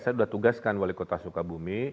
saya sudah tugaskan wali kota sukabumi